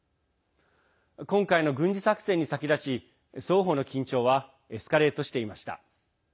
今回の軍事作戦に先立ち双方の緊張はエスカレートしていました。